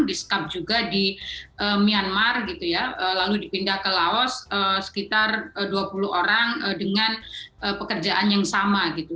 disekap juga di myanmar gitu ya lalu dipindah ke laos sekitar dua puluh orang dengan pekerjaan yang sama gitu